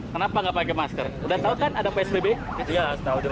kenapa tidak pakai masker sudah tahu kan ada psbb